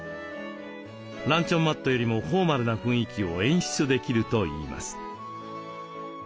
ランチョンマットよりもフォーマルな雰囲気を演出できるといいます。